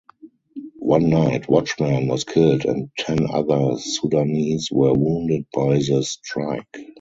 One night watchman was killed and ten other Sudanese were wounded by the strike.